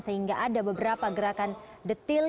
sehingga ada beberapa gerakan detil